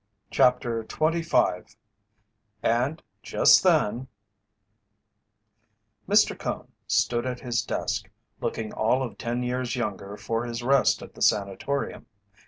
CHAPTER XXV "AND JUST THEN " Mr. Cone stood at his desk, looking all of ten years younger for his rest at the Sanatorium.